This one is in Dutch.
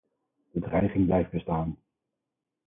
De dreiging blijft bestaan.